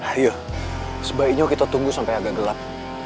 ayo sebaiknya kita tunggu sampai agak gelap